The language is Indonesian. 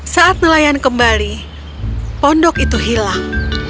saat nelayan kembali pondok itu hilang